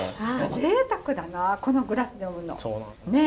ぜいたくだなこのグラスで飲むの。